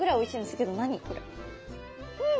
うん！